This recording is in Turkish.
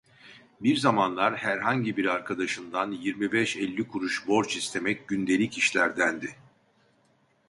Bir zamanlar herhangi bir arkadaşından yirmi beş elli kuruş borç istemek gündelik işlerdendi.